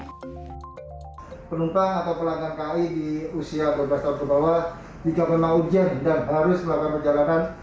penumpang atau pelanggan kai di usia dua belas tahun ke bawah jika memang objek dan harus melakukan perjalanan